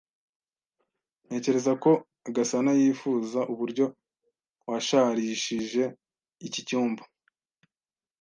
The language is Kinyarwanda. Ntekereza ko Gasanayifuza uburyo washarishije iki cyumba.